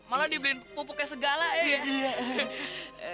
malah dibeliin pupuknya segala ya